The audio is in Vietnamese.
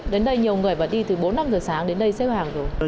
đến đây nhiều người và đi từ bốn năm giờ sáng đến đây xếp hàng rồi